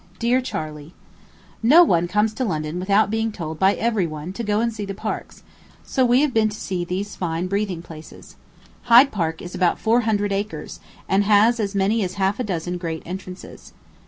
DEAR CHARLEY: No one comes to London without being told by every one to go and see the parks; so we have been to see these fine breathing places. Hyde Park is about four hundred acres, and has as many as half a dozen great entrances.